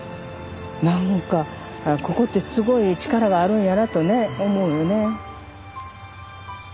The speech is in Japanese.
何かここってすごい力があるんやなとね思うよね。